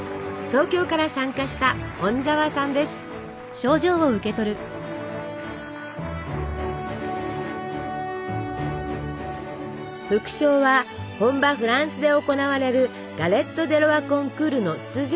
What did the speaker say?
東京から参加した副賞は本場フランスで行われるガレット・デ・ロワコンクールの出場権！